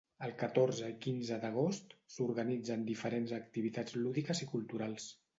El catorze i quinze d'agost s'organitzen diferents activitats lúdiques i culturals.